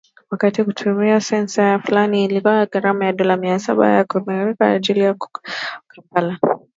Wakati kikitumia sensa ya aina fulani, ikiwa na gharama ya dola mia moja hamsini za kimerekani kwa ajili ya kukagua ubora wa hewa kwenye jiji la Kampala